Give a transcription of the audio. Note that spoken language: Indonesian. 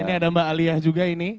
ini ada mbak alia juga ini